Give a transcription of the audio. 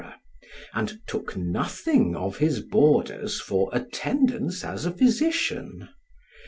and took nothing of his boarders for attendance as a physician.